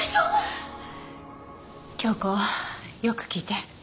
京子よく聞いて。